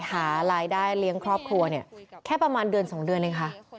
หารายได้เลี้ยงครอบครัวเนี่ยแค่ประมาณเดือน๒เดือนเองค่ะ